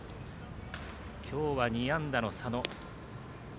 今日は２安打の佐野。